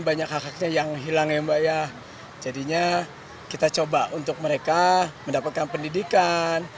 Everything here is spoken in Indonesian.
banyak hak haknya yang hilang ya mbak ya jadinya kita coba untuk mereka mendapatkan pendidikan